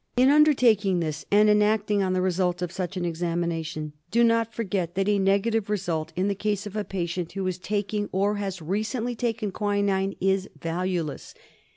In undertaking this, and in acting on the result of such an examination, do not forget that a nega tive result in the case of a patient who is taking, or who has recently taken, quinine is valueless.